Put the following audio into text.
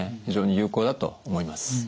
非常に有効だと思います。